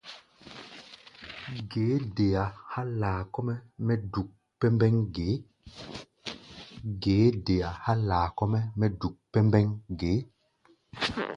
Ge é dea há̧ laa kɔ́-mɛ́ mɛ́ duk pɛmbɛŋ ge?